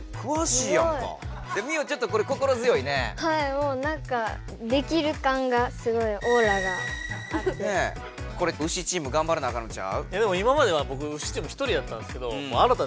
もうなんかこれウシチームがんばらなあかんのちゃう？